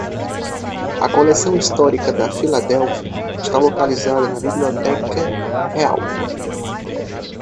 A coleção histórica da Filadélfia está localizada na Biblioteca Real.